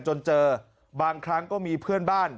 จนเจอบางครั้งก็มีเพื่อนบ้าน